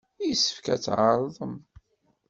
Yessefk ad tɛerḍem!